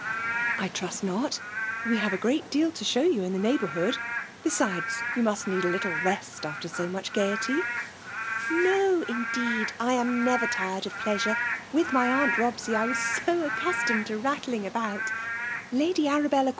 ' I trust not ; we have a great deal to show yeu in Che neighbourhood. Besides, you must need: a' little rest after so much gaiety." •* No, indeed ; I am never tired of plea 8i6fe. With my aunt Robsey, I was so accus totned to Tattling about ! Lady Arabella €( <S !